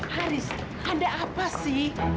haris ada apa sih